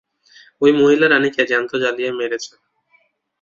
ওই মহিলা রানিকে জ্যান্ত জ্বালিয়ে মেরেছে।